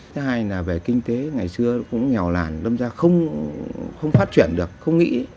thứ hai là về kinh tế ngày xưa cũng nghèo làn lâm gia không phát triển được không nghĩ